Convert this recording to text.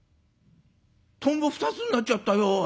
トンボ二つになっちゃったよおい。